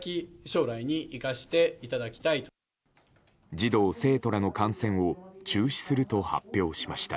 児童・生徒らの観戦を中止すると発表しました。